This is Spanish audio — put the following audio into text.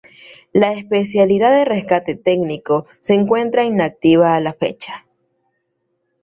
La especialidad de Rescate Tecnico se encuentra inactiva a la fecha.